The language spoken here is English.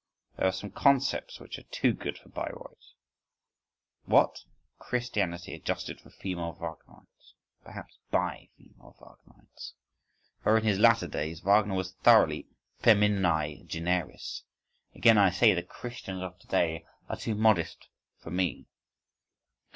There are some concepts which are too good for Bayreuth … What? Christianity adjusted for female Wagnerites, perhaps by female Wagnerites—for, in his latter days Wagner was thoroughly feminini generis—? Again I say, the Christians of to day are too modest for me.